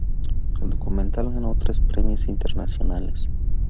El documental ganó tres premios internacionales.